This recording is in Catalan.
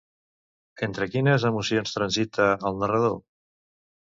Entre quines emocions transita, el narrador?